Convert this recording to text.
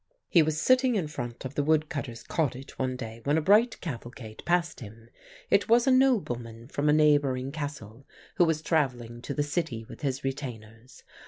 He was sitting in front of the woodcutter's cottage one day, when a bright cavalcade passed him. It was a nobleman from a neighbouring castle, who was travelling to the city with his retainers.